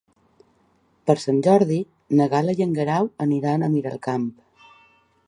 Per Sant Jordi na Gal·la i en Guerau aniran a Miralcamp.